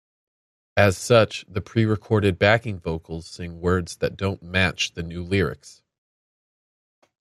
As such, the prerecorded backing vocals sing words that don't match the new lyrics.